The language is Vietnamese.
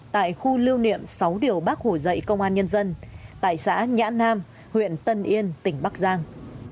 tại khu lưu niệm sáu điều bác hủ dậy công an nhân dân tại xã nhãn nam huyện tân yên tỉnh bắc giang